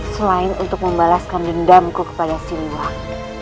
selain untuk membalaskan dendamku kepada si lurah